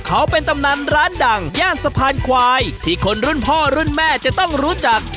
เขาเป็นตำนานร้านดังย่านสะพานควายที่คนรุ่นพ่อรุ่นแม่จะต้องรู้จัก